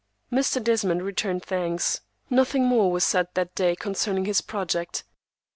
Mr. Desmond returned thanks. Nothing more was said that day concerning his project.